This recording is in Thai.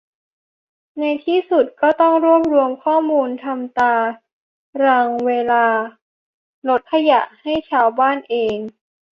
ในที่สุดก็ต้องรวบรวมข้อมูลทำตารางเวลารถขยะให้ชาวบ้านเอง